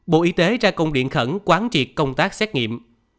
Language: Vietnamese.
bộ y tế ra công điện khẩn quán triệt công tác xét nghiệm